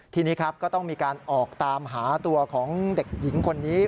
ทีนี้ครับก็ต้องมีการออกตามหาตัวของเด็กหญิงคนนี้